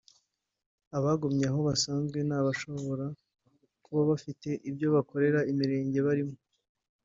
Abagumye aho bazanzwe ni abashobora kuba bagifite ibyo bakorera imirenge barimo